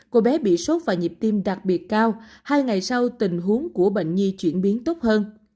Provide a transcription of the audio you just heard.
cô bé bị sốt và nhịp tim đặc biệt cao hai ngày sau tình huống của bệnh nhi chuyển biến tốt hơn